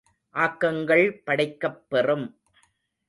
ஆக்கங்கள் படைக்கப் பெறும்.